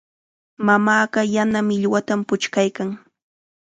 Mamaaqa yana millwatam puchkaykan.